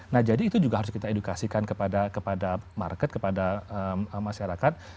nah jadi itu juga harus kita edukasikan kepada market kepada masyarakat